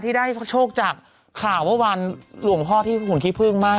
ได้โชคจากข่าวว่าวันหลวงพ่อที่หุ่นขี้พึ่งมาก